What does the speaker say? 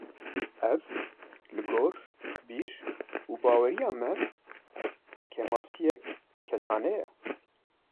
Ev li gor bîr û baweriya me, kêmasiyek kesane ye